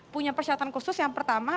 punya persyaratan khusus yang pertama